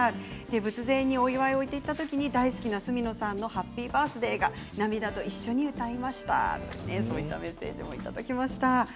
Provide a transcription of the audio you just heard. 仏前にお祝いを言っていた時に大好きな角野さんの「ハッピーバースデートゥーユー」が涙と一緒に歌いましたといったメッセージもいただきました。